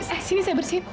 eh sini saya bersihin